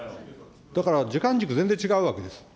だから時間軸、全然違うわけです。